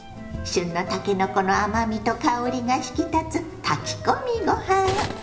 旬のたけのこの甘みと香りが引き立つ炊き込みご飯。